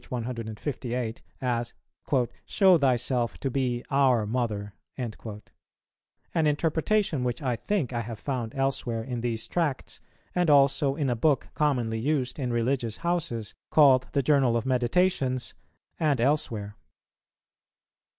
158, as "Show thyself to be our Mother;" an interpretation which I think I have found elsewhere in these Tracts, and also in a book commonly used in religious houses, called the "Journal of Meditations," and elsewhere.